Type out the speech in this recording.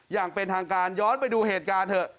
อย่างเป็นทางการย้อนไปดูเหตุการณ์เถอะ